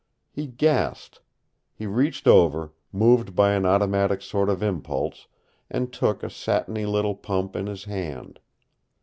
He gasped. He reached over, moved by an automatic sort of impulse, and took a satiny little pump in his hand.